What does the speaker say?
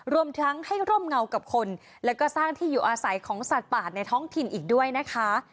รวมทั้งให้ร่มเงากับคนและก็สร้างที่อยู่อาศัยของสัตว์ป่าในท้องถิ่นอีกด้วยนะคะ